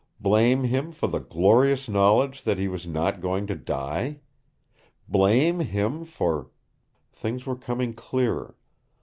Blame him for the glorious knowledge that he was not going to die? Blame him for Things were coming clearer.